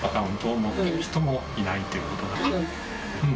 うん。